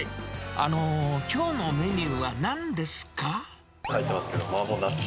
あのー、きょうのメニューはなんですか？